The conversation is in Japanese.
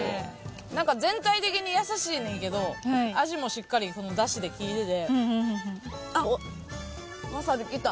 何か全体的に優しいねんけど味もしっかり出汁で効いててきた？